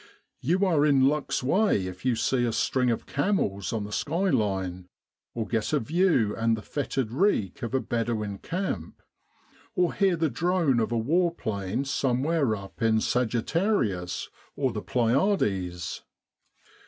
You are in luck's way if you see a string of camels on the sky line, or get a view and the fetid reek of a Bedouin camp, or hear the drone of a war plane somewhere up in Sagittarius or the Pleiades.